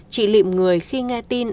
chị lịm người khi nghe tin